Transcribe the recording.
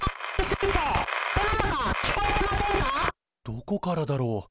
どこからだろう？